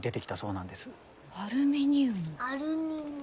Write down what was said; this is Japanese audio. アルミニウム？